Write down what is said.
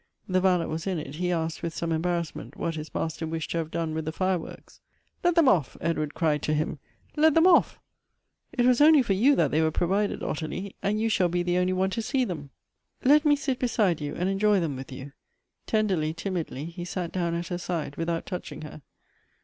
The valet was in it — he asked, with some embarrassment, what his master wished to have done with the fireworks ?« Let them off! " Edward cried to him : "let them off! — It was only for you that they were provided, Ottilie, and you shall be the only one to see them ! Let me sit beside you, and enjoy them with you." Tenderly, timidly, he sat down at her side, without touching her.